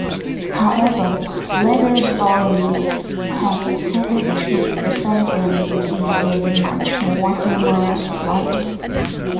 However, later stories have tended to present him in a much more humorous light.